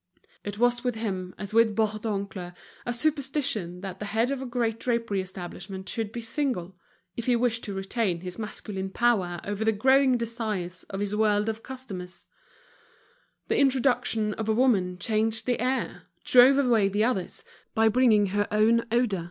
It was with him, as with Bourdoncle, a superstition that the head of a great drapery establishment should be single, if he wished to retain his masculine power over the growing desires of his world of customers; the introduction of a woman changed the air, drove away the others, by bringing her own odor.